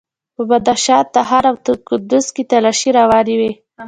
په بدخشان، تخار او کندوز کې تالاشۍ روانې وې.